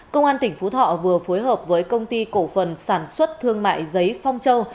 công an tỉnh phú thọ vừa phối hợp với công ty cổ phần sản xuất thương mại giấy phong châu